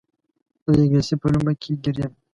زه د انګلیس په لومه کې ګیر یم.